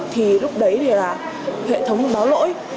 thì lúc đấy thì là hệ thống báo lỗi